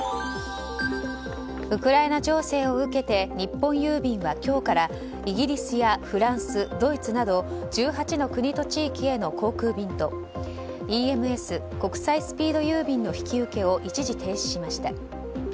ウクライナ情勢を受けて日本郵便は今日からイギリスやフランスドイツなど１８の国と地域への航空便とＥＭＳ・国際スピード郵便の引き受けを一時停止しました。